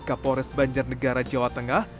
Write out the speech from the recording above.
kapolres banjarnegara jawa tengah